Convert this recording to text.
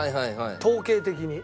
統計的に。